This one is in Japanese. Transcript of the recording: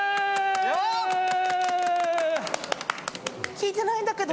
聞いてないんだけど？